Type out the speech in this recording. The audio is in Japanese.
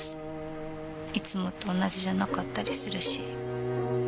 いつもと同じじゃなかったりするし。